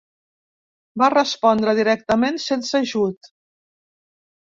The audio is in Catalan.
Va respondre directament sense ajut.